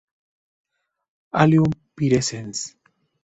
Allium virescens